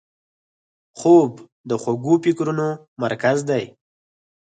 خوب د خوږو فکرونو مرکز دی